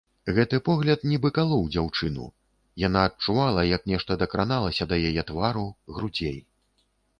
Гэты погляд нібы калоў дзяўчыну, яна адчувала, як нешта дакраналася да яе твару, грудзей.